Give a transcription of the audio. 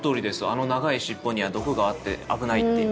あの長い尻尾には毒があって危ないっていうね。